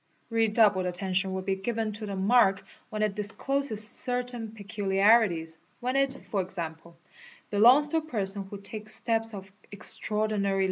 Redoubled tention will be given to the mark when it discloses certain peculiarities, A ' When it, for example, belongs to a person who takes steps of extraordinary eS Fy.